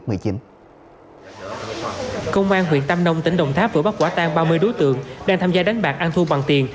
công an huyện tam nông tỉnh đồng tháp vừa bắt quả tan ba mươi đối tượng đang tham gia đánh bạc ăn thu bằng tiền